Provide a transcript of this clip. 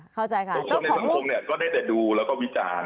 เข้าใจค่ะทุกคนในสังคมก็ได้แต่ดูและวิจาร